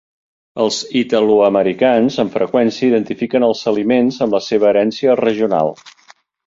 Els italoamericans amb freqüència identifiquen els aliments amb la seva herència regional.